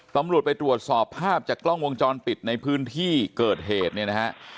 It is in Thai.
ตำรวจไปตรวจสอบภาพจากกล้องวงจรปิดในพื้นที่เกิดเหตุเนี่ยนะฮะ